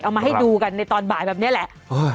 เอามาให้ดูกันในตอนบ่ายแบบนี้แหละ